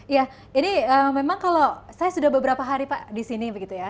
ya ini memang kalau saya sudah beberapa hari pak di sini begitu ya